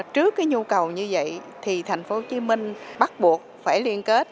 trước nhu cầu như vậy thành phố hồ chí minh bắt buộc phải liên kết